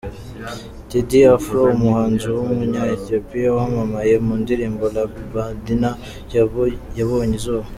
Teddy Afro, umuhanzi w’umunya-Ethiopia wamamaye mu ndirimbo Lambadina yabonye izuba.